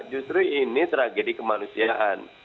justru ini tragedi kemanusiaan